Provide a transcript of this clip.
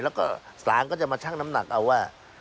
แล้วก็ศาลก็จะมาชั่งน้ำหนักเอาว่า